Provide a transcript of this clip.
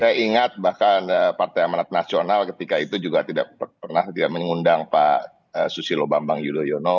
saya ingat bahkan partai amanat nasional ketika itu juga tidak pernah tidak mengundang pak susilo bambang yudhoyono